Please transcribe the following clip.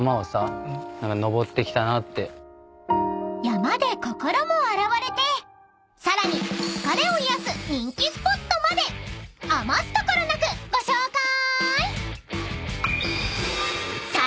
［山で心も洗われてさらに疲れを癒やす人気スポットまで余すところなくご紹介！］